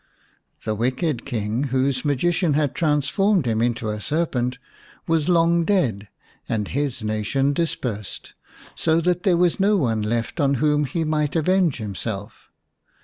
The wicked king whose magician had trans formed him into a serpent was long dead and his nation dispersed, so that there was no one left on whom he might avenge himself.